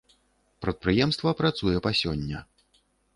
Прадпрыемства працуе па сёння.